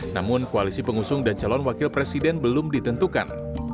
namun koalisi pengusung dan calon wakil presiden belum ditentukan